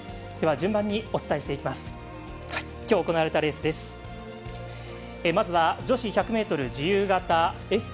順番にお伝えしていきます。